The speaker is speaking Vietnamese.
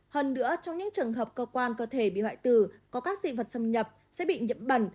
hơn nữa trong những trường hợp cơ quan cơ thể bị hoại tử có các dị vật xâm nhập sẽ bị nhiễm bẩn